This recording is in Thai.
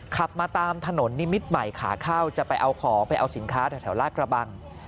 ขับมาตามถนนนิมิตรใหม่ขาเข้าจะไปเอาของไปเอาสินค้าแถวลาดกระบัง